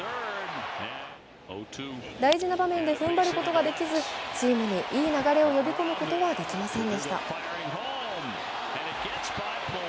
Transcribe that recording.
大事な場面で踏ん張ることができず、チームにいい流れを呼び込むことはできませんでした。